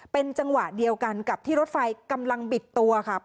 เป็นจังหวะเดียวกันกับที่รถไฟกำลังบิดตัวครับ